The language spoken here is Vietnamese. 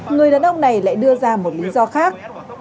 người đàn ông này lại đưa ra một lý do khác